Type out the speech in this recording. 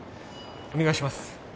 お願いします